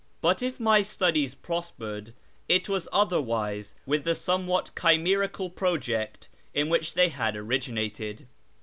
But if my studies prospered, it was otherwise with the somewhat chimerical project in which they had originated.